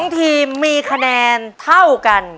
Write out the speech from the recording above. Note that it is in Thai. ๒ทีมมีคะแนนเท่ากัน